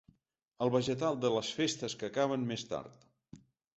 El vegetal de les festes que acaben més tard.